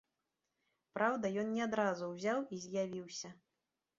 Праўда, ён не адразу ўзяў і з'явіўся.